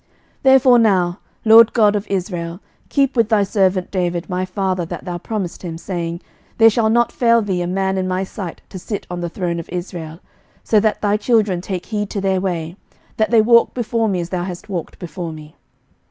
11:008:025 Therefore now, LORD God of Israel, keep with thy servant David my father that thou promisedst him, saying, There shall not fail thee a man in my sight to sit on the throne of Israel; so that thy children take heed to their way, that they walk before me as thou hast walked before me.